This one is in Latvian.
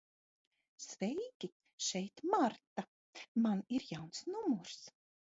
Sveiki, šeit Marta. Man ir jauns numurs.